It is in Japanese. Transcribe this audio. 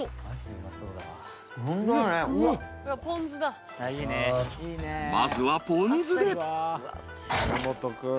［まずはポン酢で］